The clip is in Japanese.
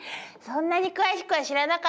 そんなに詳しくは知らなかったわ。